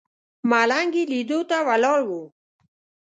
ملنګ یې لیدو ته ولاړ و.